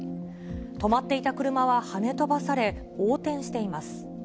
止まっていた車ははね飛ばされ、横転しています。